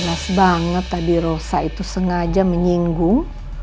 panas banget tadi rosa itu sengaja menyinggung